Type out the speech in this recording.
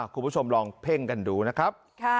คุณผู้ชมลองเพ่งกันดูนะครับ